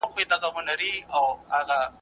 بې قانوني د ټولني شيرازه له منځه وړي.